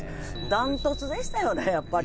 断トツでしたよねやっぱり。